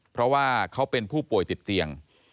เพราะว่าเขาเป็นผู้ป่วยติดเตียง